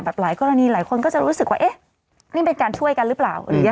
หลายกรณีหลายคนก็จะรู้สึกว่าเอ๊ะนี่เป็นการช่วยกันหรือเปล่าอะไรอย่างนี้